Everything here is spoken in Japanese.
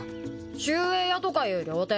集英屋とかいう料亭。